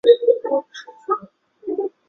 这是美国首次主动对日本本土攻击。